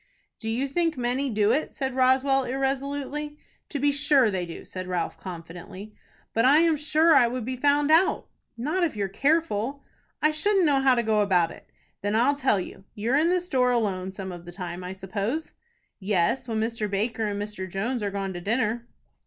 "Do you think many do it?" said Roswell, irresolutely. "To be sure they do," said Ralph, confidently. "But I am sure it would be found out." "Not if you're careful." "I shouldn't know how to go about it." "Then I'll tell you. You're in the store alone some of the time, I suppose." "Yes, when Mr. Baker and Mr. Jones are gone to dinner."